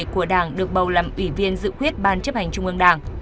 của đảng được bầu làm ủy viên dự khuyết ban chấp hành trung ương đảng